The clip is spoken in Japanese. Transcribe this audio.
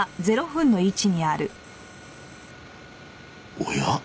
おや？